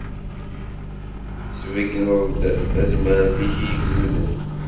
Tesbeggneḍ-d tazmert-ik i yigduden.